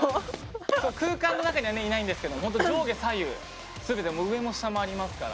そう空間の中にはねいないんですけどほんと上下左右全てもう上も下もありますから。